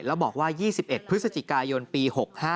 แล้วบอกว่า๒๑พฤศจิกายนปี๖๕